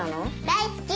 大好き！